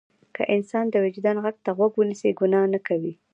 که انسان د وجدان غږ ته غوږ ونیسي ګناه نه کوي.